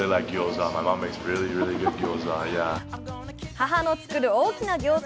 母の作る大きなギョーザ。